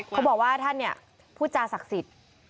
เขาบอกว่าท่านเนี่ยพูดจาศักดิ์สิทธิ์